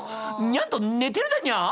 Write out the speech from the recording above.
にゃんと寝てるだにゃー！